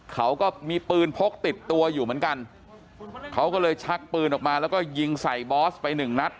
เขาก็มีปืนพกติดตัวอยู่เหมือนกันเขาก็เลยชักปืนออกมาแล้วก็ยิงใส่บอสไปหนึ่งนัด